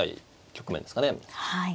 はい。